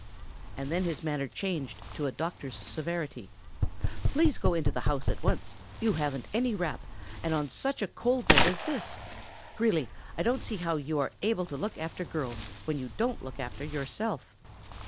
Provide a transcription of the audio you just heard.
And then his manner changed to a doctor's severity. "Please go into the house at once, you haven't any wrap and on such a cold night as this! Really I don't see how you are able to look after girls when you don't look after yourself."